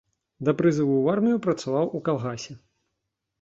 Да прызыву ў армію працаваў у калгасе.